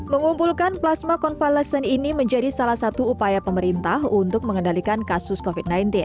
mengumpulkan plasma konvalesen ini menjadi salah satu upaya pemerintah untuk mengendalikan kasus covid sembilan belas